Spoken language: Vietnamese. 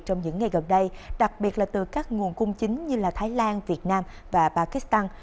trong những ngày gần đây đặc biệt là từ các nguồn cung chính như thái lan việt nam và pakistan